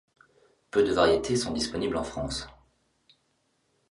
Peu de variétés sont disponibles en France.